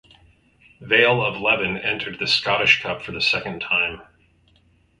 Vale of Leven entered the Scottish Cup for the second time.